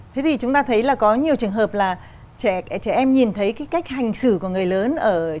thế thì chúng ta thấy là có nhiều trường hợp là trẻ em nhìn thấy cái cách hành xử của người lớn ở